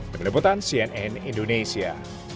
pemiliputan cnn indonesia